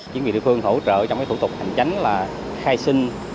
chính vì địa phương hỗ trợ trong thủ tục hành tránh là khai sinh